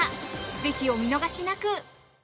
ぜひ、お見逃しなく！